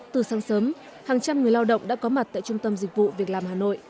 từ sáng sớm hàng trăm người lao động đã có mặt tại trung tâm dịch vụ việc làm hà nội